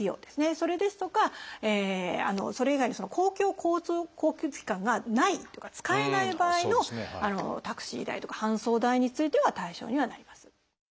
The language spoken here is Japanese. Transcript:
それですとかそれ以外に公共交通機関がないとか使えない場合のタクシー代とか搬送代については対象にはなります。